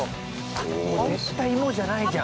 絶対芋じゃないじゃん。